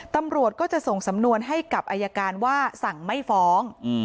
ตำรวจก็จะส่งสำนวนให้กับอายการว่าสั่งไม่ฟ้อง